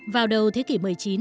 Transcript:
vào đầu thế kỷ một mươi chín